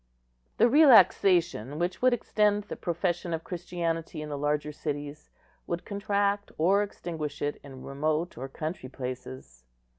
(1) The relaxation which would extend the profession of Christianity in the larger cities would contract or extinguish it in remote or country places.